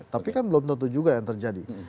tapi kan belum tentu juga yang terjadi